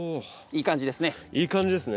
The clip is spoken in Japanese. いい感じですね。